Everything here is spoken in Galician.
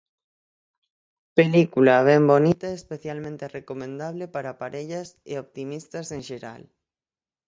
Película ben bonita especialmente recomendable para parellas e optimistas en xeral.